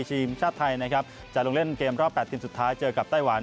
เชียงชาติไทยจะลงเล่นเกมรอบ๘ทีมเคยเจอกับไต้หวัน